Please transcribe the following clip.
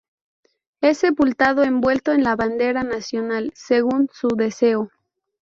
Es sepultado envuelto en la bandera nacional, según su deseo.